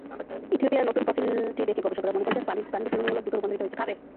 ইথিওপিয়ায় নতুন ফসিলটি দেখে গবেষকেরা মনে করছেন, প্রাণীটি তুলনামূলক দ্রুত রূপান্তরিত হয়েছে।